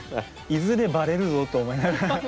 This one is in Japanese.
いずれバレるぞと思いながら。